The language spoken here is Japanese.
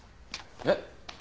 えっ？